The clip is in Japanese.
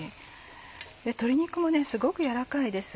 鶏肉もすごく軟らかいです。